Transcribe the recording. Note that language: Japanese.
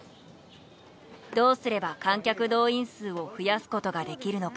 どうすれば観客動員数を増やすことができるのか？